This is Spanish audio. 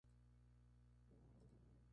Está realizado al temple sobre tabla.